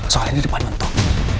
soalnya ini depan mentok